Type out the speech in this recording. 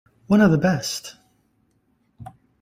One of the best.